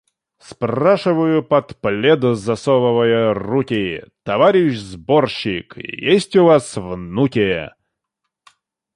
Спрашиваю, под плед засовывая руки: – Товарищ сборщик, есть у вас внуки?